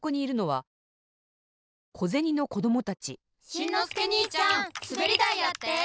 しんのすけにいちゃんすべりだいやって！